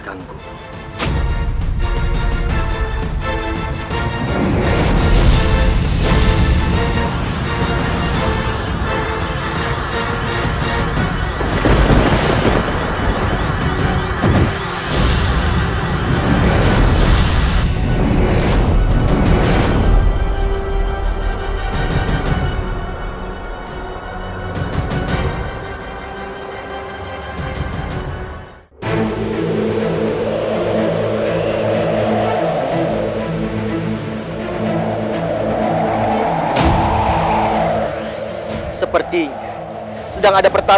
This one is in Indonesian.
kau akan menyerah